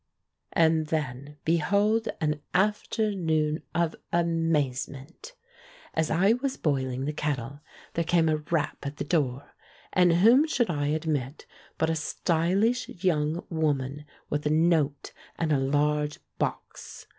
And then behold an afternoon of amazement! As I was boiling the kettle, there came a rap at the door, and whom should I admit but a stylish young woman with a note and a large box